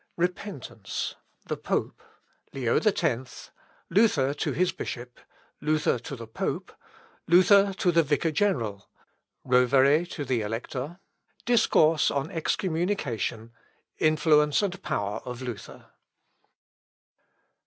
Repentance The Pope Leo X Luther to his Bishop Luther to the Pope Luther to the Vicar General Rovere to the Elector Discourse on Excommunication Influence and Power of Luther.